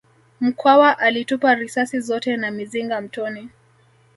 Mkwawa alitupa risasi zote na mizinga mtoni